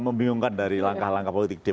membingungkan dari langkah langkah politik